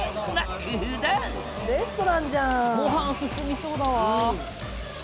ごはん進みそうだわ。